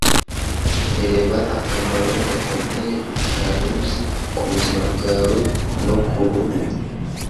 Reba akamaro gakomeye utari uzi ku buzima bwawe no ku ruhu